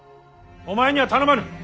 お前には頼まぬ。